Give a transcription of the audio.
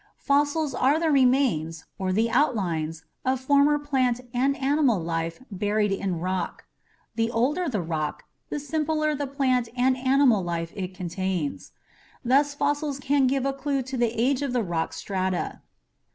Fossils are the remains or the outlines of former plant or animal life buried in rock. The older the rock, the simpler the plant and animal life it contains. Thus fossils can give a clue to the age of the rock strata.